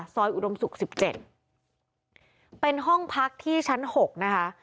ซอยอุดมศุกร์สิบเจ็ดเป็นห้องพักที่ชั้นหกนะคะ